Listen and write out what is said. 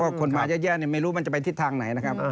คนมาเยอะแยะไม่รู้มันจะไปทิศทางไหนนะครับ